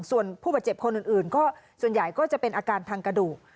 ส่วนผู้บาดเจ็บคนอื่นก็ส่วนใหญ่ก็จะเป็นอาการทางกระดูก